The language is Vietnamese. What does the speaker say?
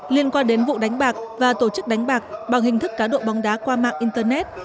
liên quan đến vụ đánh bạc và tổ chức đánh bạc bằng hình thức cá độ bóng đá qua mạng internet